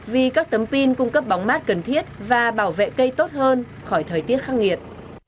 vì các tấm pin cung cấp bóng mát cần thiết và bảo vệ cây tốt hơn khỏi thời tiết khắc nghiệt